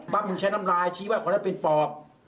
ปั๊บมันใช้น้ำลายชี้ว่าขอได้เป็นปลอบ